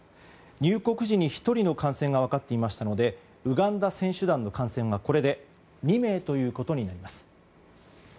入国時に１人の感染が分かっていましたのでウガンダ選手団の感染はこれで２名となります。